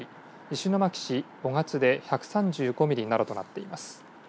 石巻市雄勝で１３５ミリなどとなっています。